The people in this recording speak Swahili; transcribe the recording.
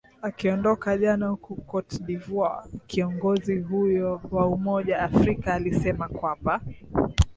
akiondoka jana huku cote de voire kiongozi huyo wa umoja afrika alisema kwamba